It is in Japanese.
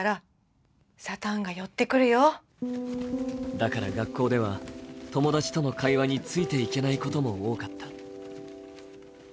だから、学校では友達との会話についていけないことも多かった。